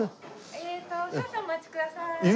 えーと少々お待ちください。